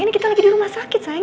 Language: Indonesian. ini kita lagi di rumah sakit sayang